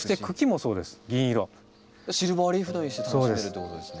シルバーリーフのようにして楽しめるということですね。